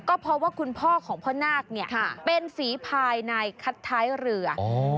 ก็เพราะว่าคุณพ่อของพ่อนาคเนี่ยเป็นฝีภายในคัดท้ายเรือ